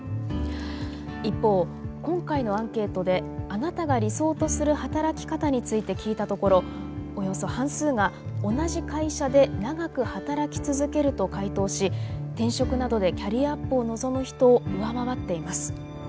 一方今回のアンケートであなたが理想とする働き方について聞いたところおよそ半数が「同じ会社で長く働き続ける」と回答し転職などでキャリアアップを望む人を上回っています。